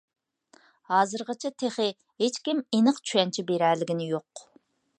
ھازىرغىچە تېخى ھېچكىم ئېنىق چۈشەنچە بېرەلىگىنى يوق.